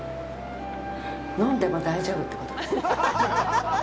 飲んでも大丈夫ってことかしら。